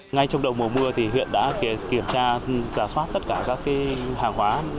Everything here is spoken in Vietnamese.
ngay trong đầu mùa mưa thì huyện đã kiểm tra giả soát tất cả các hàng hóa